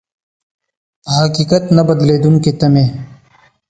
په حقيقت نه بدلېدونکې تمې.